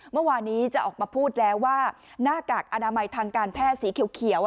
เมื่อวานนี้จะออกมาพูดแล้วว่าหน้ากากอนามัยทางการแพทย์สีเขียว